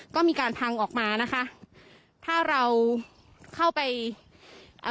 ก็มีการพังออกมานะคะถ้าเราเข้าไปอ่า